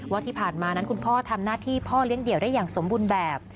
ว่าที่ผ่านมานั้นคุณพ่อทำหน้าที่พ่อเลี้ยงเดี่ยวได้อย่างสมบูรณ์แบบ